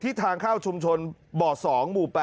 สร้างข้าวชุมชนบ่อ๒หมู่๘